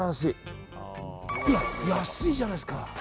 いや、安いじゃないですか。